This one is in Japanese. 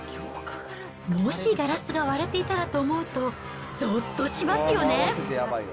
もしガラスが割れていたらと思うと、ぞっとしますよね。